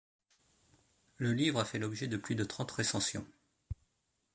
Le livre a fait l'objet de plus de trente recensions.